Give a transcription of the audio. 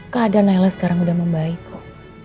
keadaan nailah sekarang udah membaik kok